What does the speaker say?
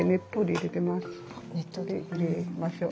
入れましょう。